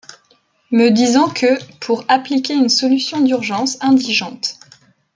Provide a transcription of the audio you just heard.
Me disant que «pour appliquer une solution d'urgence indigente.